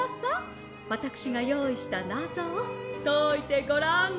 わたくしがよういしたナゾをといてごらんな」。